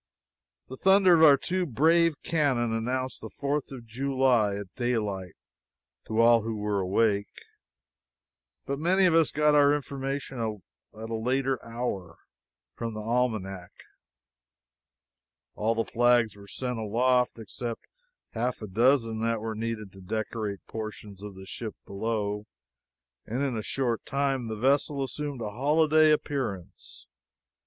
The thunder of our two brave cannon announced the Fourth of July, at daylight, to all who were awake. But many of us got our information at a later hour, from the almanac. All the flags were sent aloft except half a dozen that were needed to decorate portions of the ship below, and in a short time the vessel assumed a holiday appearance.